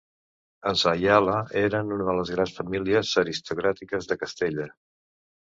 Els Ayala eren una de les grans famílies aristocràtiques de Castella.